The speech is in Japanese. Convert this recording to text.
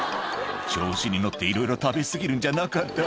「調子に乗っていろいろ食べ過ぎるんじゃなかった」